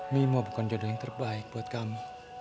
mimo bukan jodoh yang terbaik buat kami